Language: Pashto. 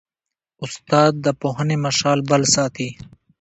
استاد د پوهنې مشعل بل ساتي.